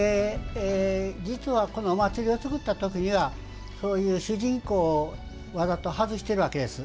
実は、このお祭りを作った時には主人公をわざと外しているわけです。